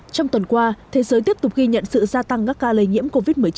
trong tuần qua thế giới tiếp tục ghi nhận sự gia tăng các ca lây nhiễm covid một mươi chín